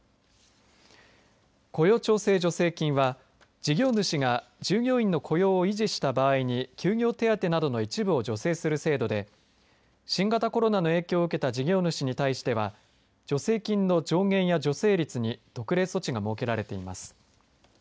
雇用調整助成金は事業主が従業員の雇用を維持した場合に休業手当などの一部を助成する制度で新型コロナの影響を受けた事業主に対しては助成金の上限や助成率に特例措置が設けられています。